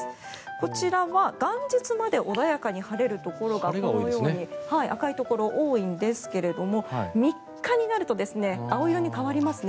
こちらは元日まで穏やかに晴れるところがこのように赤いところ多いんですが３日になると青色に変わりますね。